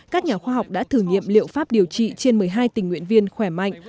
các nhà khoa học đã thử nghiệm liệu pháp điều trị trên một mươi hai tình nguyện viên khỏe mạnh